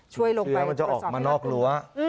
เผื่อมันจะออกมานอกรั้ว